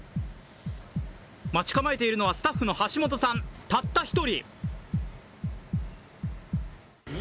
待ち構えているのはスタッフの橋本さんたった１人。